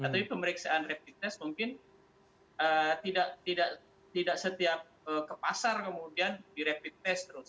tapi pemeriksaan rapid test mungkin tidak setiap ke pasar kemudian di rapid test terus